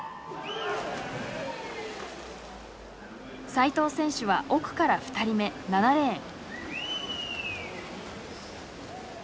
齋藤選手は奥から２人目７レーン。